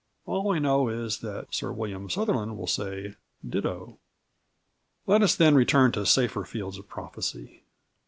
All we know is that Sir William Sutherland will say ditto. Let us, then, return to safer fields of prophecy.